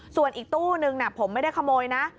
ส่วนอีกตู้นึงผมไม่ได้ขโมยนะ